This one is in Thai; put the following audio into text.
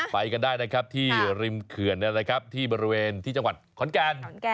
ไปกันได้ที่ริมเขือนที่บริเวณจังหวัดขวัญการ